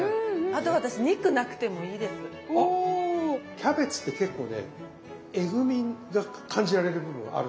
キャベツって結構ねえぐみが感じられる部分もあるんですよ。